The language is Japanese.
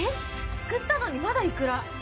すくったのにまだいくら。